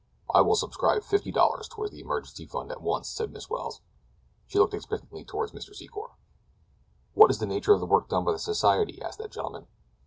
"I will subscribe fifty dollars toward the emergency fund at once," said Miss Welles. She looked expectantly toward Mr. Secor. "What is the nature of the work done by the society?" asked that gentleman.